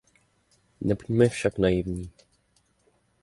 Nebuďme však naivní.